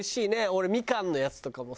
俺みかんのやつとかも。